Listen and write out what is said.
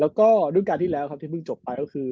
แล้วก็รุ่นการที่แล้วครับที่เพิ่งจบไปก็คือ